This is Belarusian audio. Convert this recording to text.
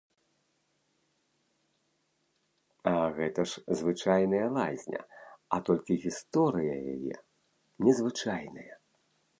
А гэта ж звычайная лазня, а толькі гісторыя яе незвычайная.